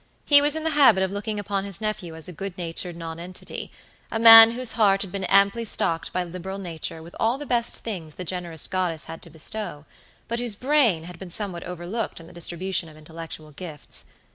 He was in the habit of looking upon his nephew as a good natured nonentitya man whose heart had been amply stocked by liberal Nature with all the best things the generous goddess had to bestow, but whose brain had been somewhat overlooked in the distribution of intellectual gifts.